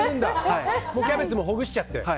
キャベツもほぐしちゃって。